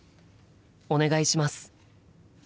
お願いします。